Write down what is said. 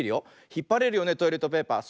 ひっぱれるよねトイレットペーパー。